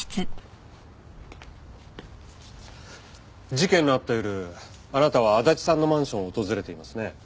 事件のあった夜あなたは足立さんのマンションを訪れていますね。